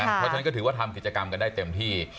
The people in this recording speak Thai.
เพราะฉะนั้นก็ถือว่าทำกิจกรรมกันได้เต็มที่